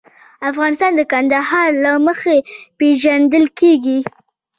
افغانستان د کندهار له مخې پېژندل کېږي.